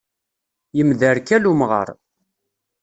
Yemḍerkal umɣar.